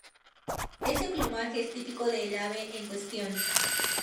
Ese plumaje es típico del ave en cuestión.